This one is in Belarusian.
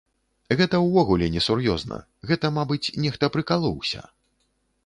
Гэта ўвогуле несур'ёзна, гэта, мабыць, нехта прыкалоўся.